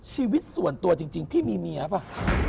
ชีวิตส่วนตัวจริงพี่มีเมียป่ะ